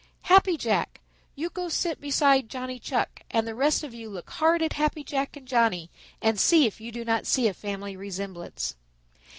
Happy Jack, you go sit beside Johnny Chuck, and the rest of you look hard at Happy Jack and Johnny and see if you do not see a family resemblance."